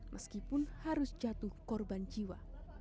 meskipun harus jatuh korban jiwa